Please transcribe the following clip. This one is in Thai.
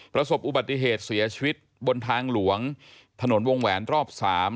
ประสบอุบัติเหตุเสียชีวิตบนทางหลวงถนนวงแหวนรอบ๓